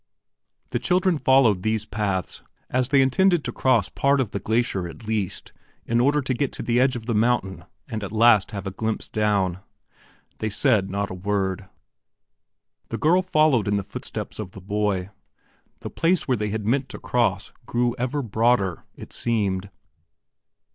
The children followed these paths as they intended to cross part of the glacier, at least, in order to get to the edge of the mountain and at last have a glimpse down. They said not a word. The girl followed in the footsteps of the boy. The place where they had meant to cross grew ever broader, it seemed.